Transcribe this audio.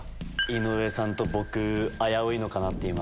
井上さんと僕危ういのかなって。